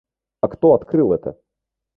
А кто открыл это?